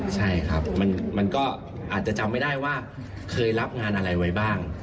ใช่ครับมันก็อาจจะจำไม่ได้ว่าเคยรับงานอะไรไว้บ้าง